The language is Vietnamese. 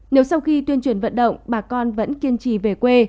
nếu sau khi tuyên truyền vận động bà con vẫn kiên trì về quê